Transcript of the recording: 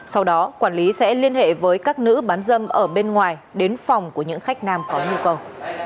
sau đó quản lý sẽ liên hệ với các nữ bán dâm ở bên ngoài đến phòng của những khách nam có nhu cầu